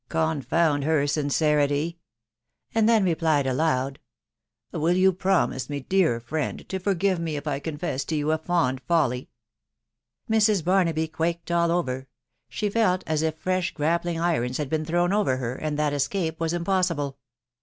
Confound her sincerity !".... and then replied aloud, — "Will you promise, dear friend,, to forgive me if I confess to you a fond. folly?" Mrs. Barnaby quaked all over ; she felt at if fresh grap pling irons had been thrown over her,, and that escape was impossible.